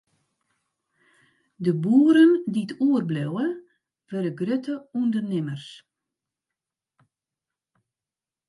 De boeren dy't oerbliuwe, wurde grutte ûndernimmers.